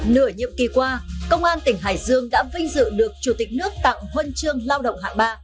nửa nhiệm kỳ qua công an tỉnh hải dương đã vinh dự được chủ tịch nước tặng huân chương lao động hạng ba